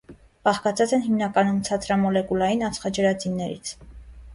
Բաղկացած են հիմնականում ցածրամոլեկուլային ածխաջրածիններից։